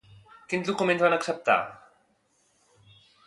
Quins documents van acceptar?